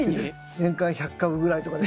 年間１００株ぐらいとかで。